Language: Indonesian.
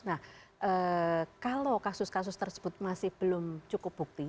nah kalau kasus kasus tersebut masih belum cukup bukti